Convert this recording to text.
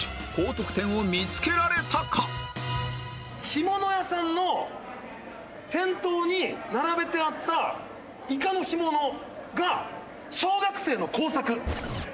干物屋さんの店頭に並べてあったイカの干物が小学生の工作。